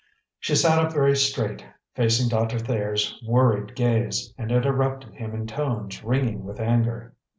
She sat up very straight, facing Doctor Thayer's worried gaze, and interrupted him in tones ringing with anger.